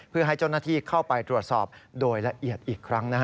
เพื่อให้เจ้าหน้าที่เข้าไปตรวจสอบโดยละเอียดอีกครั้ง